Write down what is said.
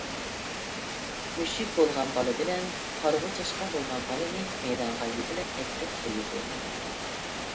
مۈشۈك بولغان بالا بىلەن قارىغۇ چاشقان بولغان بالىنى مەيدانغا يېتىلەپ ئەكىرىپ قويىدۇ.